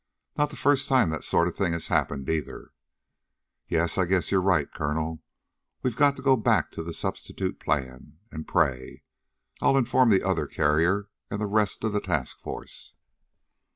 Not the first time that sort of thing has happened, either. Yes, I guess you're right, Colonel. We've got to go back to the substitute plan, and pray. I'll inform the other carrier and the rest of the task force."